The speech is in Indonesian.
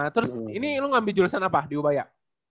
nah terus ini lu ngambil jurusan apa di ubaya